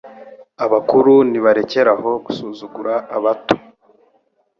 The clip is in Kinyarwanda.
Abakuru nibarekeraho gusuzugura abato